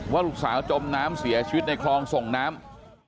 ว่าลูกสาวจมน้ำเสียชีวิตในคลองส่งน้ำ